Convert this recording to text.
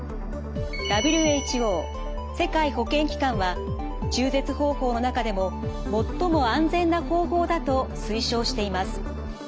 ＷＨＯ・世界保健機関は中絶方法の中でも最も安全な方法だと推奨しています。